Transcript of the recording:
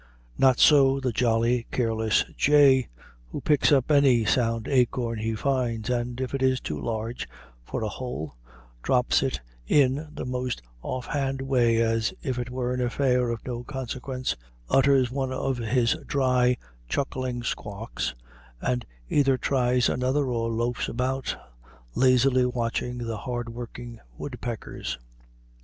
Not so the jolly, careless jay, who picks up any sound acorn he finds, and, if it is too large for a hole, drops it in the most off hand way as if it were an affair of no consequence; utters one of his dry, chuckling squawks, and either tries another or loafs about, lazily watching the hard working woodpeckers.